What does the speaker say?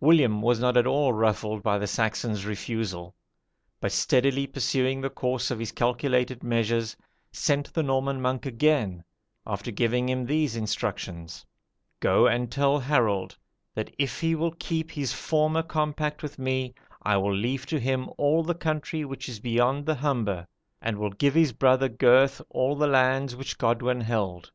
William was not at all ruffled by the Saxon's refusal, but steadily pursuing the course of his calculated measures, sent the Norman monk again, after giving him these instructions: 'Go and tell Harold, that if he will keep his former compact with me, I will leave to him all the country which is beyond the Humber, and will give his brother Gurth all the lands which Godwin held.